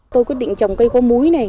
tôi quyết định trồng cây có múi này